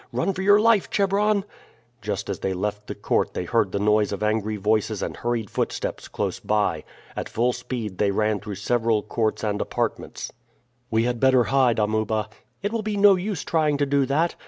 "Run for your life, Chebron!" Just as they left the court they heard the noise of angry voices and hurried footsteps close by. At full speed they ran through several courts and apartments. "We had better hide, Amuba." "It will be no use trying to do that.